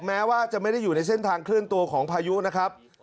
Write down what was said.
แม้ว่าจะไม่ได้อยู่ในเส้นทางเคลื่อนตัวของพายุนะครับ